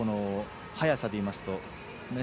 早さでいいますと。